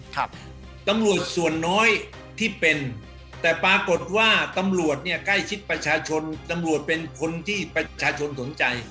ตำรวจส่วนน้อยที่เป็นแต่ปรากฏว่าตำรวจเนี่ยใกล้ชิดประชาชนตำรวจเป็นคนที่ประชาชนสนใจ